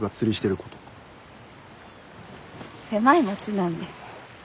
狭い町なんで。